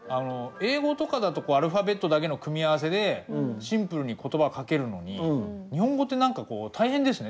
英語とかだとアルファベットだけの組み合わせでシンプルに言葉書けるのに日本語って何か大変ですね。